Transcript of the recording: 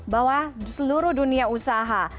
bahwa seluruh dunia usaha